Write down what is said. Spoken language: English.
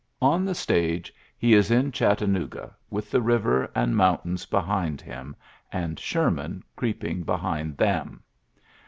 On the stage he is Chattanooga^ with the river and mow tains behind him, and Sherman creepi behind them.